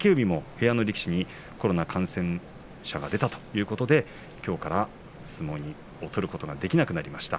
部屋の歴史にコロナ感染者が出たということで、きょうから相撲を取ることができなくなりました。